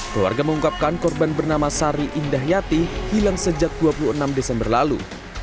keluarga mengungkapkan korban bernama sari indah yati hilang sejak dua puluh enam desember lalu